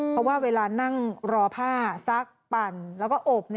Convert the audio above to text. เพราะว่าเวลานั่งรอผ้าซักปั่นแล้วก็อบ